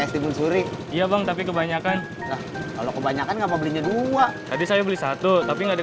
terus uangnya buat apa